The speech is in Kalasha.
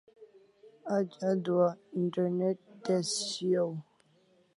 Aj adua internet tez shiau